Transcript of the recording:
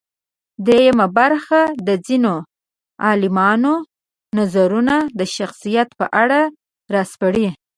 درېیمه برخه د ځينې عالمانو نظرونه د شخصیت په اړه راسپړي.